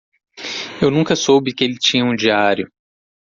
Eu nunca soube que ele tinha um diário.